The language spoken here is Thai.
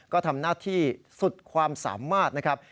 ก็ทำหน้าที่สุดความสามารถนะครับ